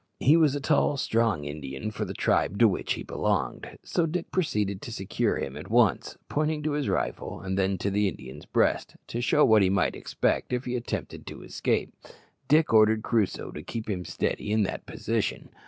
He was a tall strong Indian for the tribe to which he belonged, so Dick proceeded to secure him at once. Pointing to his rifle and to the Indian's breast, to show what he might expect if he attempted to escape, Dick ordered Crusoe to keep him steady in that position.